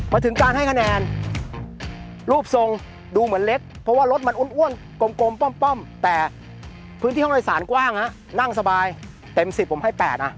มาถึงการให้คะแนนรูปทรงดูเหมือนเล็กเพราะว่ารถมันอ้วนกลมป้อมแต่พื้นที่ห้องโดยสารกว้างฮะนั่งสบายเต็ม๑๐ผมให้๘นะ